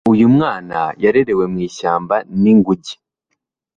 uyu mwana yarerewe mwishyamba ninguge